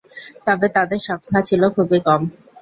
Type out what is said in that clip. তবে তাদের সংখ্যা ছিল খুবই কম।